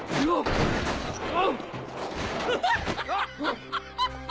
ハハハハハ！